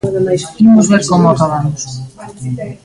Imos ver como acabamos.